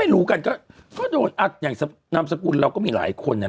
พี่โมดรู้สึกไหมพี่โมดรู้สึกไหมพี่โมดรู้สึกไหมพี่โมดรู้สึกไหม